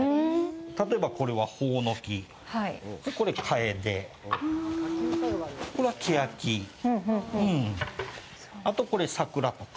例えば、これはホオノキこれはカエデ、これはケヤキあと、これサクラとか。